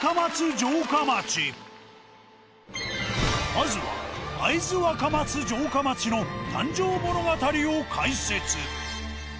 まずは会津若松城下町の誕生物語を解説。